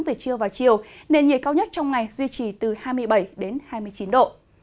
từ chiều và chiều nên nhiệt cao nhất trong ngày duy trì từ hai mươi bảy hai mươi chín độ